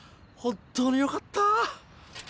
本っ当によかった。